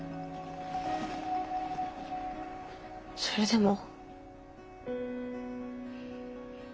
それでも。